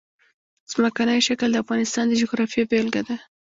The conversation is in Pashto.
ځمکنی شکل د افغانستان د جغرافیې بېلګه ده.